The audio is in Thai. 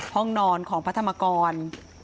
ห้องนอนของพระธรรมกร